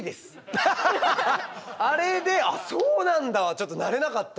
あれで「ああそうなんだ」はちょっとなれなかったですよ。